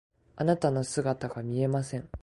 あなたの姿が見えません。